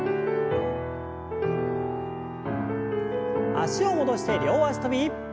脚を戻して両脚跳び。